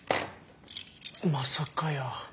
まさかやー。